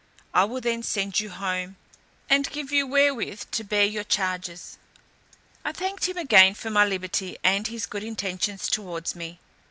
I will then send you home, and give you wherewith to bear your charges." I thanked him again for my liberty and his good intentions towards me.